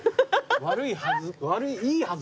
悪いはず。